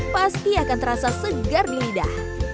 pasti akan terasa segar di lidah